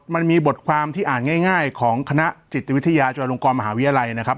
มันมีบทความที่อ่านง่ายของคณะจิตวิทยาจุฬลงกรมหาวิทยาลัยนะครับ